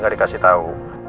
jadi dia kasih tau